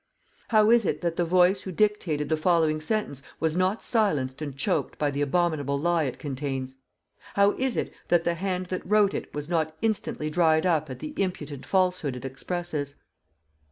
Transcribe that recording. How is it that the voice who dictated the following sentence was not silenced and choked by the abominable lie it contains? How is it that the hand that wrote it was not instantly dried up at the impudent falsehood it expresses?